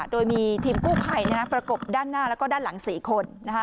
โดยมีทีมกู้ภัยประกบด้านหน้าแล้วก็ด้านหลัง๔คน